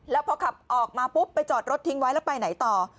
แล้วพอขับออกมาปุ๊บไปจอดรถทิ้งไว้แล้วไปไหนต่อ